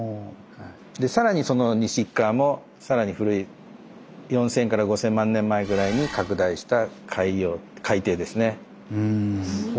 さらにその西っかわもさらに古い４，０００万５，０００万年前ぐらいに拡大した海底ですね。